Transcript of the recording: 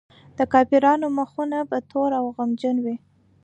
د کافرانو مخونه به تور او غمجن وي.